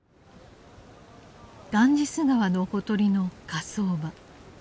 ガンジス河のほとりの火葬場。